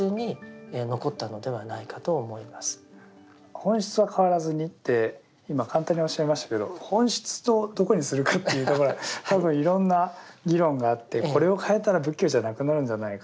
本質は変わらずにって今簡単におっしゃいましたけど本質をどこにするかっていうところは多分いろんな議論があってこれを変えたら仏教じゃなくなるんじゃないか。